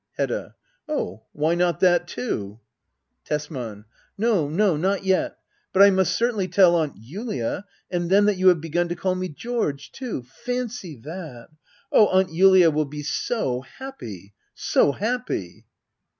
Hedda. Oh ^why not that too ? Tesman. No, no, not yet ! But I must certainly tell Aunt Julia. And then that you have begun to call me George too ! Fancy that ! Oh, Aunt Julia will be so happy — so happy